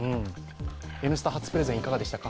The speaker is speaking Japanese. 「Ｎスタ」初プレゼンいかがでしたか？